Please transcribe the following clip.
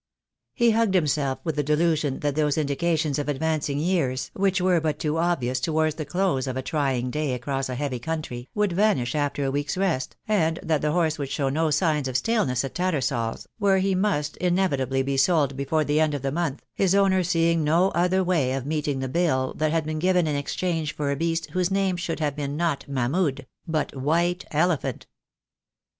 He hugged himself with the delusion that those indica tions of advancing years which were but too obvious to wards the close of a trying day across a heavy country, would vanish after a week's rest, and that the horse would show no signs of staleness at TattersalPs, where he must inevitably be sold before the end of the month, his owner seeing no other way of meeting the bill that O THE DAY WILL COME. had been given in exchange for a beast whose name should have been not Mahmud, but White Elephant.